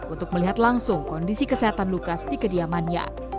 untuk melihat langsung kondisi kesehatan lukas di kediamannya